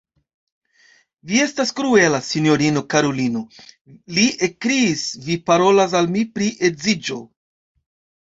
Vi estas kruela, sinjorino Karolino, li ekkriis, vi parolas al mi pri edziĝo!